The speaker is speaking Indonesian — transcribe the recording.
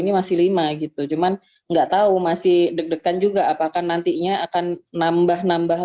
ini masih lima gitu cuman enggak tahu masih deg degan juga apakah nantinya akan nambah nambah